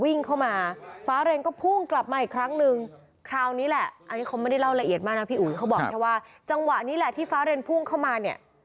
วิ่งเข้ามาฟ้าเรนก็พุ่งกลับมาอีกครั้งนึงคราวนี้แหละอันนี้เขาไม่ได้เล่าละเอียดมากนะพี่อุ๋ยเขาบอกแค่ว่าจังหวะนี้แหละที่ฟ้าเรนพุ่งเข้ามาเนี่ย